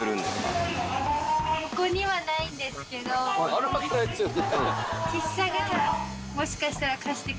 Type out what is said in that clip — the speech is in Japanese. あるわけないですよね。